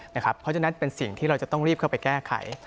เพราะฉะนั้นเป็นสิ่งที่เราจะต้องรีบเข้าไปแก้ไข